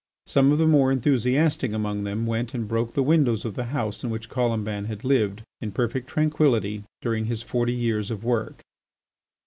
Some of the more enthusiastic among them went and broke the windows of the house in which Colomban had lived in perfect tranquillity during his forty years of work.